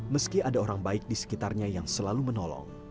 meski ada orang baik di sekitarnya yang selalu menolong